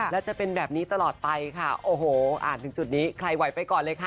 และจะเป็นแบบนี้ตลอดไปค่ะโอ้โหอ่านถึงจุดนี้ใครไหวไปก่อนเลยค่ะ